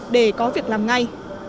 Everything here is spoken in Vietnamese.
để có việc làm ngay